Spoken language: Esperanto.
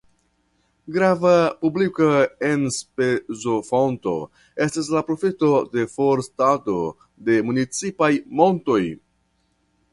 Grava publika enspezofonto estas la profito de forstado de municipaj montoj.